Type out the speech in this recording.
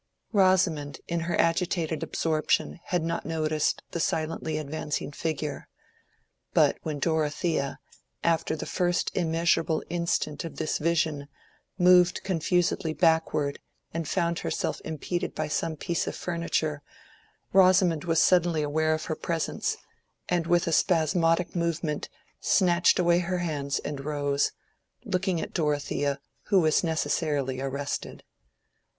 Rosamond in her agitated absorption had not noticed the silently advancing figure; but when Dorothea, after the first immeasurable instant of this vision, moved confusedly backward and found herself impeded by some piece of furniture, Rosamond was suddenly aware of her presence, and with a spasmodic movement snatched away her hands and rose, looking at Dorothea who was necessarily arrested.